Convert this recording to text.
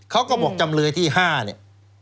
เขาก็บอกจำเลยที่๕เนี่ย